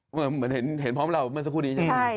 เหมือนเห็นพร้อมเราเมื่อสักครู่นี้ใช่ไหม